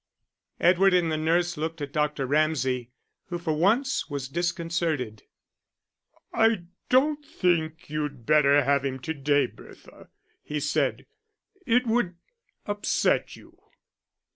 Edward and the nurse looked at Dr. Ramsay, who for once was disconcerted. "I don't think you'd better have him to day, Bertha," he said. "It would upset you."